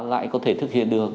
lại có thể thực hiện được